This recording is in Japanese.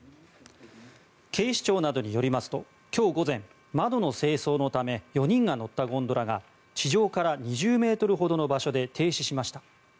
警視庁などによりますと今日午前、窓の清掃のため４人が乗ったゴンドラが地上から２０ｍほどの場所で停止しました。